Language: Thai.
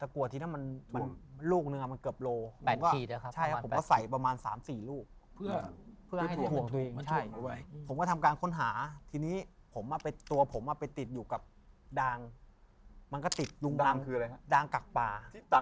ผมก็มาทำการค้นหาทีนี้ตัวผมมันไปติดอยู่กับดางกากปลา